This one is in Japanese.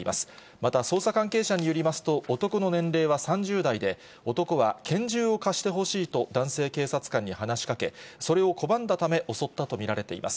また、捜査関係者によりますと、男の年齢は３０代で、男は拳銃を貸してほしいと、男性警察官に話しかけ、それを拒んだため、襲ったと見られています。